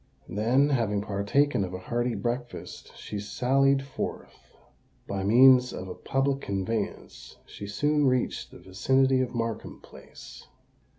Then, having partaken of a hearty breakfast, she sallied forth. By means of a public conveyance she soon reached the vicinity of Markham Place.